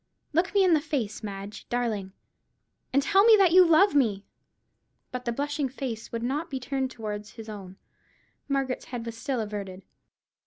Look me in the face, Madge darling, and tell me that you love me." But the blushing face would not be turned towards his own. Margaret's head was still averted.